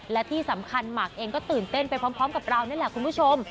และที่สำคัญหมากเองก็ตื่นเต้นไปพร้อมกับเรานี่แหละคุณผู้ชม